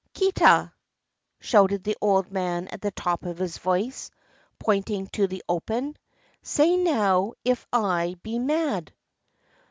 "Kita!" shouted the old man at the top of his voice, pointing to the open. "Say now if I be mad!"